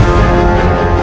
kau akan dihukum